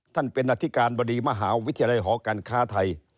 ท่านเป็นอธิการบดีมหาวิทยาลัยหอการค้าไทย